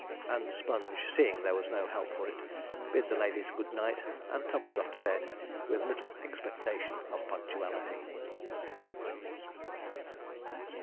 And Sponge, seeing there was no help for it, bid the ladies good night, and tumbled off to bed with little expectation of punctuality.